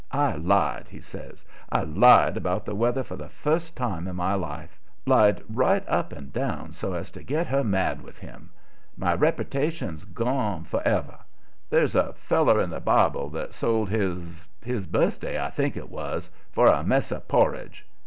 I lied," he says; "I lied about the weather for the first time in my life; lied right up and down so as to get her mad with him. My repertation's gone forever. There's a feller in the Bible that sold his his birthday, I think 'twas for a mess of porridge.